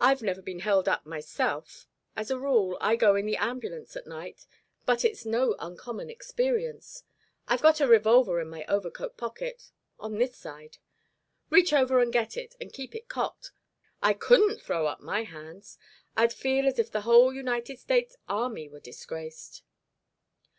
I've never been held up myself; as a rule I go in the ambulance at night, but it's no uncommon experience. I've got a revolver in my overcoat pocket on this side. Reach over and get it, and keep it cocked. I couldn't throw up my hands. I'd feel as if the whole United States army were disgraced."